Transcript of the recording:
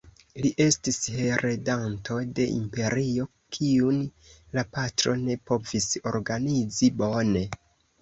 Li estis heredanto de imperio kiun la patro ne povis organizi bone.